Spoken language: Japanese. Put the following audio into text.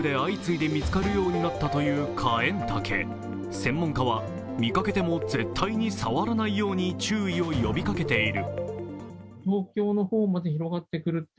専門家は見かけても絶対に触らないように注意を呼びかけている。